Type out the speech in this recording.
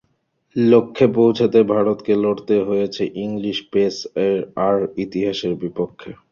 লক্ষ্যে পৌঁছাতে ভারতকে লড়তে হয়েছে ইংলিশ পেস আর ইতিহাসের বিপক্ষে।